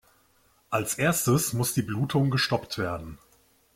Als Erstes muss die Blutung gestoppt werden.